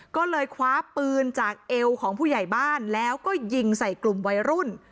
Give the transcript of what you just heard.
ก็เลยคว้าปืนจากเอวของผู้ใหญ่บ้านแล้วก็ยิงใส่กลุ่มวัยรุ่น